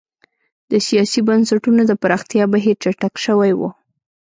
د سیاسي بنسټونو د پراختیا بهیر چټک شوی و.